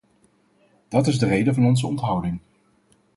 Dat is de reden van onze onthouding.